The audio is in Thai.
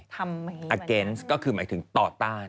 ทำแบบนี้อังกฤษก็คือหมายถึงต่อต้าน